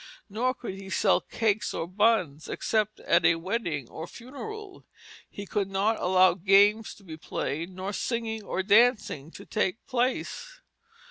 Nor could he sell cakes or buns except at a wedding or funeral. He could not allow games to be played, nor singing or dancing to take place.